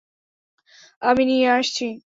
আমি নিয়ে আসছি।